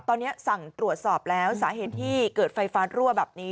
ตอนนี้สั่งตรวจสอบแล้วสาเหตุที่เกิดไฟฟ้ารั่วแบบนี้